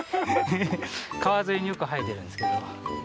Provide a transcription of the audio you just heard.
川沿いによく生えてるんですけど。